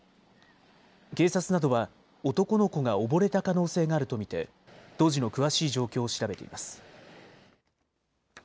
警察などは男の子が溺れた可能性があると見て当時の詳しい状況を調べています。